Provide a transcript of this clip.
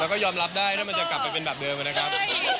แล้วก็ยอมรับได้ถ้ามันจะกลับไปเป็นแบบเดิมนะครับ